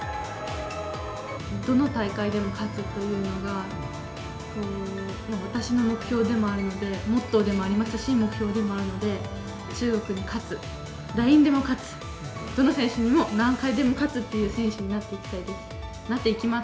どの大会でも勝つというのが、私の目標でもあるので、モットーでもありますし、目標でもあるので、中国に勝つ、誰にでも勝つ、どの選手にも、何回でも勝つっていう選手になっていきたいです。